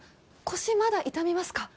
腰まだ痛みますか？